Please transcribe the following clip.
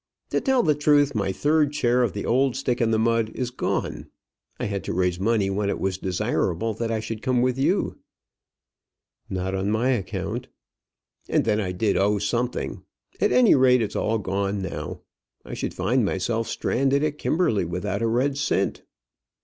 To tell the truth, my third share of the old Stick in the Mud is gone. I had to raise money when it was desirable that I should come with you." "Not on my account." "And then I did owe something. At any rate, it's all gone now. I should find myself stranded at Kimberley without a red cent."